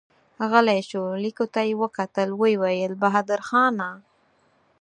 غلی شو، ليکو ته يې وکتل، ويې ويل: بهادرخانه!